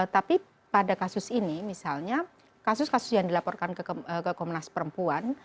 tapi pada kasus ini misalnya kasus kasus yang dilaporkan ke komnas perempuan